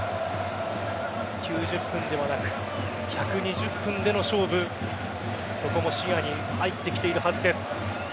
９０分ではなく１２０分での勝負そこも視野に入ってきているはずです。